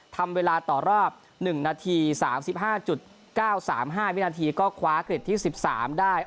ทำเวลาต่อรอบ๑นาที๓๕๙๓๕วินาทีก็คว้ากริจที่๑๓ได้